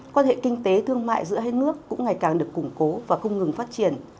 quan hệ kinh tế thương mại giữa hai nước cũng ngày càng được củng cố và không ngừng phát triển